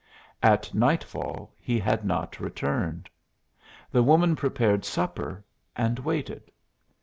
At nightfall he had not returned. The woman prepared supper and waited.